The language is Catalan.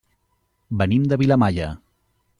Venim de Vilamalla.